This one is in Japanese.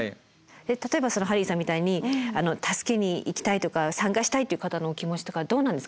例えばハリーさんみたいに助けに行きたいとか参加したいという方のお気持ちとかどうなんですか？